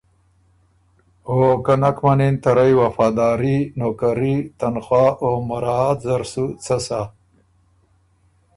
او که نکه منِن ته رئ وفاداري، نوکري، تنخواه او مراعات زر سُو څۀ سَۀ۔